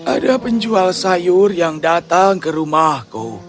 ada penjual sayur yang datang ke rumahku